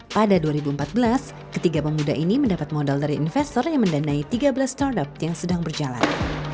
pada dua ribu empat belas ketiga pemuda ini mendapat modal dari investor yang mendanai tiga belas startup yang sedang berjalan